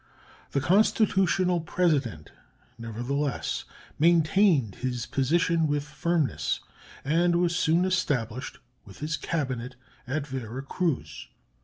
The constitutional President, nevertheless, maintained his position with firmness, and was soon established, with his cabinet, at Vera Cruz.